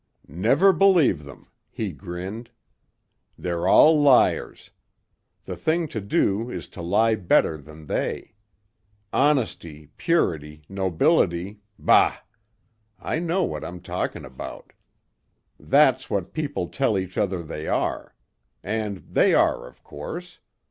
"Never believe them," he grinned. "They're all liars. The thing to do is to lie better than they. Honesty, purity, nobility bah! I know what I'm talking about. That's what people tell each other they are. And they are, of course.